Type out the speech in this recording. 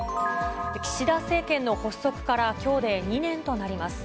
岸田政権の発足からきょうで２年となります。